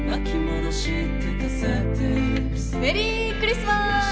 メリークリスマス！